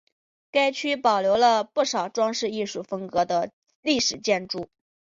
该区保留了不少装饰艺术风格的历史建筑。